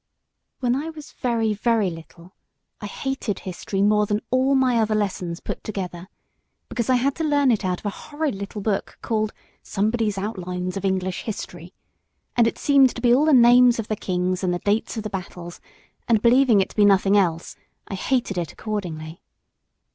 ] WHEN I was very, very little, I hated history more than all my other lessons put together, because I had to learn it out of a horrid little book, called somebody's "Outlines of English History"; and it seemed to be all the names of the kings and the dates of battles, and, believing it to be nothing else, I hated it accordingly.